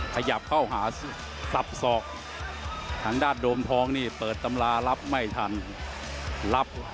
พยายามเล่นหมัดซ้ายเลย